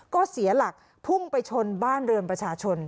ก็เสียหลักพุ่งไปชนบ้านเรือนประชาชน